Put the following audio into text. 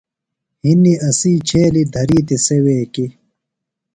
ہِنیۡ اسی چھیلیۡ، دھرِیتیۡ سےۡ ویکیۡ